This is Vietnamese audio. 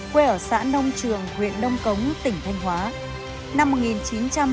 quê ở xã nông trường huyện đông cống tỉnh thanh hóa